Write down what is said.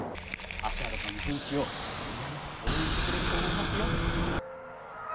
芦原さんの奮起をみんなが応援してくれると思いますよ。